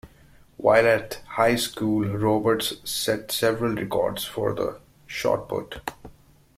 While at high school, Roberts set several records for the shot put.